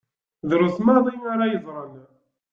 Drus maḍi ara yeẓṛen.